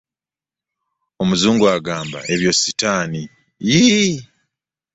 Omuzungu agamba ebyo ssitaani yiiii!